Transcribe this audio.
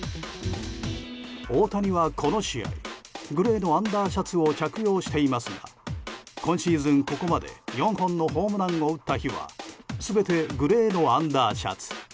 大谷はこの試合グレーのアンダーシャツを着用していますが今シーズン、ここまで４本のホームランを打った日は全てグレーのアンダーシャツ。